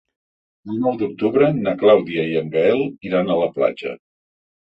El nou d'octubre na Clàudia i en Gaël iran a la platja.